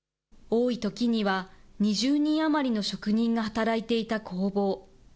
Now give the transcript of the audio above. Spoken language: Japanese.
多いときには、２０人余りの職人が働いていた工房。